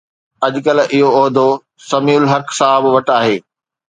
اڄڪلهه اهو عهدو سميع الحق صاحب وٽ آهي.